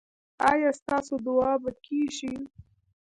ایا ستاسو دعا به کیږي؟